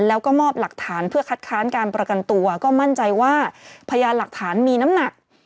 แล้วก็มอบหลักฐานเพื่อคัดค้านการประกันตัวก็มั่นใจว่าพยานหลักฐานมีน้ำหนัก